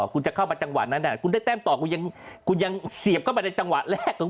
คุณจะเข้ามาจังหวะนั้นคุณได้แต้มต่อคุณยังเสียบเข้าไปในจังหวะแรกตรง